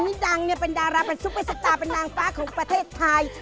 ไม่ใช่กวกค่ะคนหน่าวรัฐรังโกกเบา